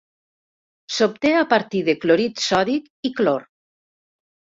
S'obté a partir de clorit sòdic i clor.